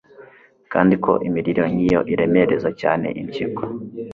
kandi ko imirire nkiyo iremereza cyane impyiko